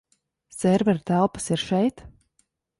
Servera telpas ir šeit?